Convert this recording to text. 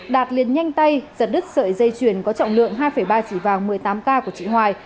đạt liền nhanh tay giật đứt sợi dây chuyền có trọng lượng hai ba chỉ vàng một mươi tám k của chị hoài